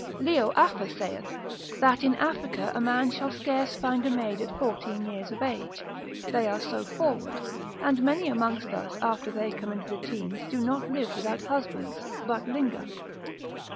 Leo Afer saith, that in Africa a man shall scarce find a maid at fourteen years of age, they are so forward, and many amongst us after they come into the teens do not live without husbands, but linger.